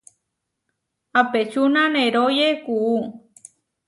Apečúna neróye kuú.